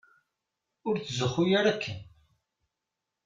Ur tzuxxu ara akken.